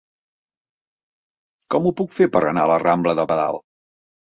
Com ho puc fer per anar a la rambla de Badal?